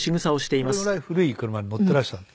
それぐらい古い車に乗ってらした。